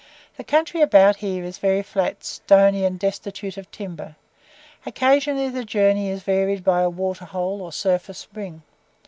The country about here is very flat, stony and destitute of timber; occasionally the journey is varied by a water hole or surface spring.